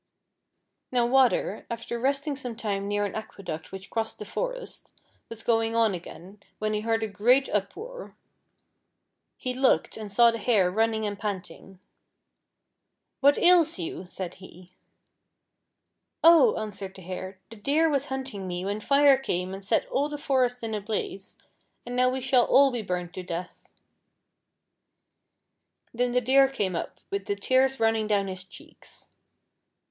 Now Water, after resting some time near an aqueduct which crossed the forest, was going on again when he heard a great uproar. He looked, and saw the Hare running and panting. "What ails you .^" said he. "Oh!" answered the Hare, "the Deer was hunting me when Fire came and set all the forest in a blaze, and now we shall all be burned to death." Then the Deer came up with the tears running down his cheeks.